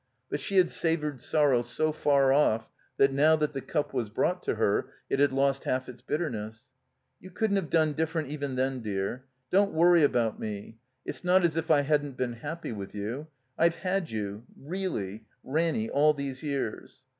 But she had savored sorrow so far ofiE that now that the cup was brought to her it had lost half its bitterness. "You couldn't have done diflEerent, even then, dear. Don't worry about me. It's not as if I hadn't been happy with you. I've had you — reelly — ^Ranny, all these years."